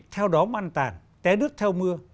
theo đó măn tàn té đứt theo mưa